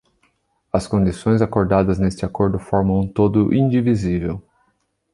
As condições acordadas neste acordo formam um todo indivisível.